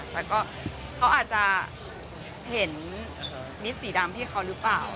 แต่ก็เขาอาจจะเห็นมิดสีดำพี่เขาหรือเปล่า